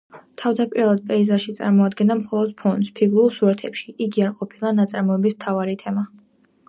თავდაპირველად პეიზაჟი წარმოადგენდა მხოლოდ ფონს ფიგურულ სურათებში, იგი არ ყოფილა ნაწარმოების მთავარი თემა.